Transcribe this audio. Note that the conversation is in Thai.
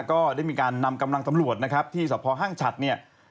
ก็ได้มีการนำกำลังตำรวจนะครับที่สภห้างฉัดเนี่ย